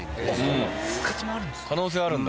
可能性あるんだ。